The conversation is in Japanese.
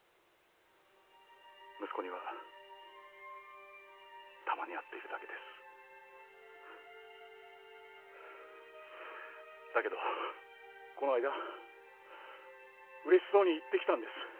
息子にはたまに会っているだけですだけどこの間嬉しそうに言ってきたんです